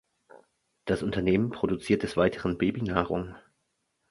Das Unternehmen produziert des Weiteren Babynahrung.